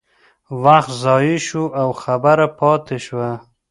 وخت ضایع شو او خبره پاتې شوه.